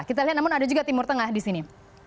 kita lihat namun ada juga timur tengah di sini